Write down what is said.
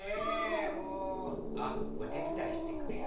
もうあっおてつだいしてくれる？